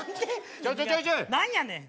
何やねん。